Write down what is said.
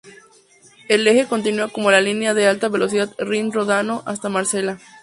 El eje continúa con la línea de alta velocidad Rin-Ródano hasta Marsella.